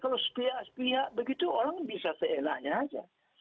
kalau sepihak sepihak begitu orang bisa seenaknya saja